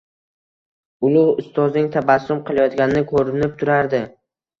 Ulug‘ Ustozning tabassum qilayotgani ko‘rinib turardi.